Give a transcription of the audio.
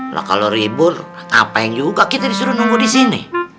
lah kalo libur apa yang juga kita disuruh nunggu disini